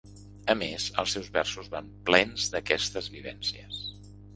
A més, els seus versos van plens d’aquestes vivències.